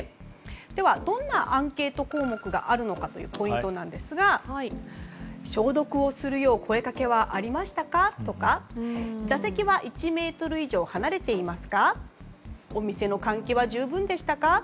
では、どんなアンケート項目があるのかがポイントですが消毒するよう声かけはありましたかとか座席は１ｍ以上離れていますかお店の換気は十分でしたか